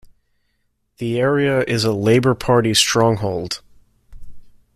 The area is a Labour Party stronghold.